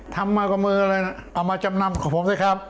ทำมากับมืออะไรเอามาจำนำของผมสิครับ